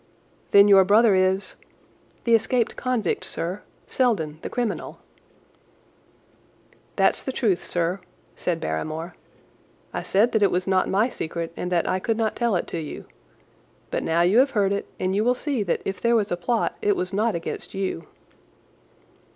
"Then your brother is—" "The escaped convict, sir—Selden, the criminal." "That's the truth, sir," said Barrymore. "I said that it was not my secret and that I could not tell it to you. But now you have heard it, and you will see that if there was a plot it was not against you."